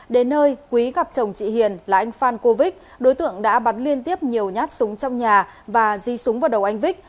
đến nơi quý gặp chồng chị hiền là anh phan cô vích đối tượng đã bắn liên tiếp nhiều nhát súng trong nhà và di súng vào đầu anh vích